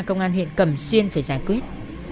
công an huyện cẩm xuyên phải giải quyết